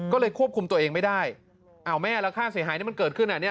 ก็เลยควบคุมตัวเองไม่ได้แม่แล้วค่าเสียหายมันเกิดขึ้น